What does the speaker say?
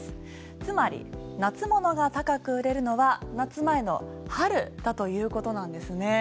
つまり夏物が高く売れるのは夏前の春だということなんですね。